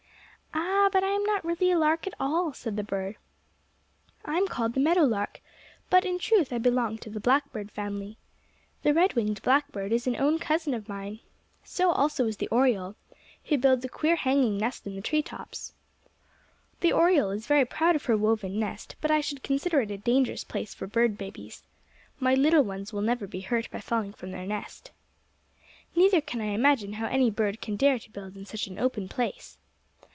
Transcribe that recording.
"Ah, but I am not really a lark at all," said the bird. "I am called the meadow lark, but in truth I belong to the blackbird family. The red winged blackbird is an own cousin of mine. So also is the oriole, who builds a queer hanging nest in the tree tops. "The oriole is very proud of her woven nest, but I should consider it a dangerous place for bird babies. My little ones will never be hurt by falling from their nest. "Neither can I imagine how any bird can dare to build in such an open place.